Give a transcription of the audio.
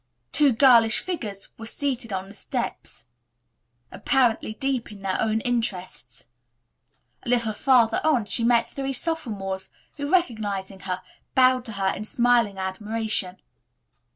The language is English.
Two girlish figures were seated on the steps apparently deep in their own interests. A little farther on she met three sophomores, who, recognizing her, bowed to her in smiling admiration.